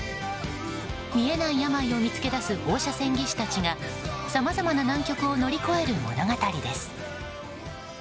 見えない病を見つけ出す放射線技師たちがさまざまな難局を乗り越える物語です。